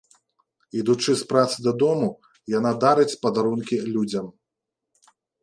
Ідучы з працы дадому, яна дарыць падарункі людзям.